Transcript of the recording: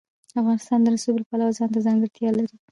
افغانستان د رسوب د پلوه ځانته ځانګړتیا لري.